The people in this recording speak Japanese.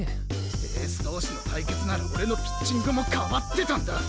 エース同士の対決なら俺のピッチングも変わってたんだ！